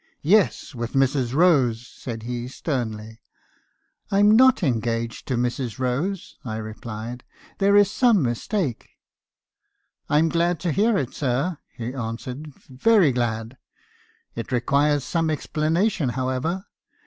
"'Yes! with Mrs. Rose!' said he, sternly. "'I'm not engaged to Mrs. Rose,' I replied. 'There is some mistake.' '"I'm glad to hear it, sir,' he answered, 'very glad. It requires some explanation, however.